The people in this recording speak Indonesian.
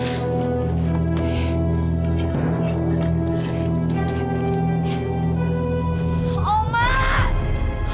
yang sepupu banget